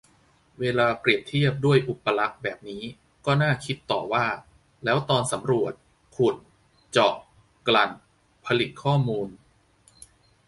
เวลาเปรียบเทียบด้วยอุปลักษณ์แบบนี้ ก็น่าคิดต่อว่า แล้วตอนสำรวจ ขุดเจาะ กลั่น ผลิตข้อมูล